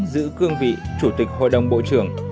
giữ cương vị chủ tịch hội đồng bộ trưởng